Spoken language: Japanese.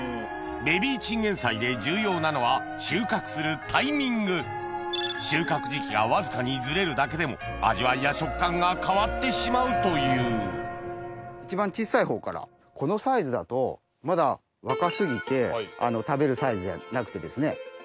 ベビーチンゲン菜で重要なのは収穫するタイミング収穫時期がわずかにずれるだけでも味わいや食感が変わってしまうという一番小さいほうからこのサイズだとまだ若過ぎて食べるサイズじゃなくてですね。